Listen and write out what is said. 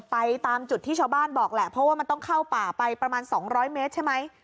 ไปตามจุดที่ชาวบ้านบอกแหละเพราะว่ามันต้องเข้าป่าไปประมาณ๒๐๐เมตรใช่ไหม